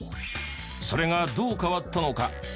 それがどう変わったのか？